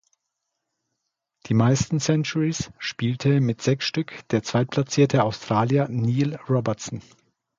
Die meisten Centurys spielte mit sechs Stück der zweitplatzierte Australier Neil Robertson.